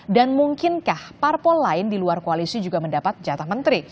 dan mungkinkah parpol lain di luar koalisi juga mendapat